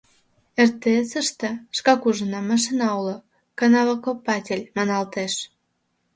— РТС-ыште, шкак ужынам, машина уло, канавокопатель маналтеш.